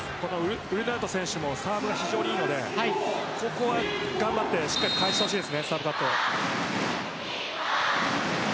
ウルナウト選手もサーブが非常にいいのでそこは頑張ってサーブカットしてほしいです。